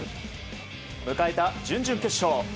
迎えた準々決勝。